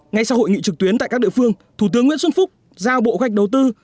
ngay sau hội nghị trực tuyến tại các địa phương thủ tướng nguyễn xuân phúc giao bộ gạch đầu tư